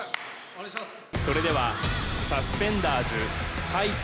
それではサスペンダーズ怪奇！